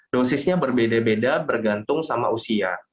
dosisnya berbeda beda bergantung sama usia